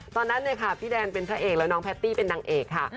ตอนนั้นเนี่ยค่ะพี่แดนเป็นพระเอกแล้วน้องแพตตี้เป็นนางเอกค่ะ